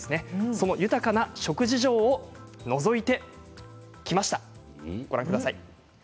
その豊かな食事情をのぞいてきました。